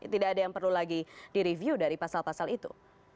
tidak ada yang perlu lagi direview dari pasal pasal itu